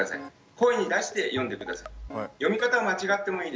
声に出して読んで下さい。